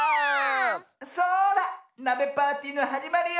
そらなべパーティーのはじまりよ。